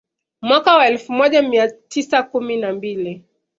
Mwaka wa elfu moja mia tisa kumi na mbili